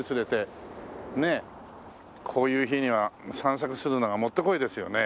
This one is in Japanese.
こういう日には散策するのがもってこいですよね。